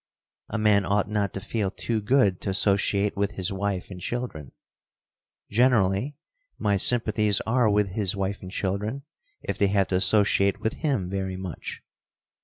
A man ought not to feel too good to associate with his wife and children. Generally my sympathies are with his wife and children, if they have to associate with him very much.